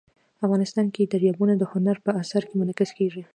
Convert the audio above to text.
افغانستان کې دریابونه د هنر په اثار کې منعکس کېږي.